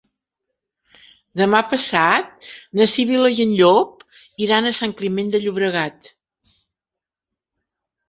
Demà passat na Sibil·la i en Llop iran a Sant Climent de Llobregat.